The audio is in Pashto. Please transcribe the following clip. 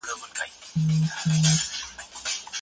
خپلو علمي لیکنو ته تل معتبر ماخذونه ورکړئ.